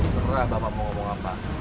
serah bapak mau ngomong apa